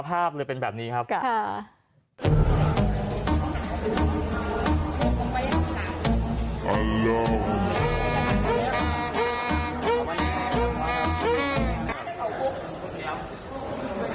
ภาพเลยเป็นแบบนี้ครับ